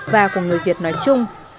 và của người việt nói chung